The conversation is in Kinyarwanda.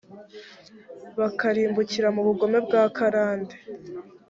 bakarimbukira mu bugome bwa karande